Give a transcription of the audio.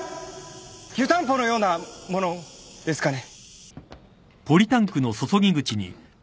湯たんぽのようなものですかね。